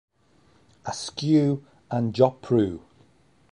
Askew and Joppru.